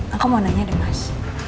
aku mau nanya deh mas